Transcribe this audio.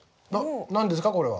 な何ですかこれは？